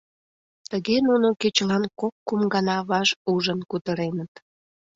Тыге нуно кечылан кок-кум гана ваш ужын кутыреныт.